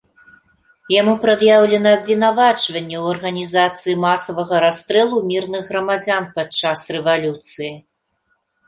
Яму прад'яўлена абвінавачванне ў арганізацыі масавага расстрэлу мірных грамадзян падчас рэвалюцыі.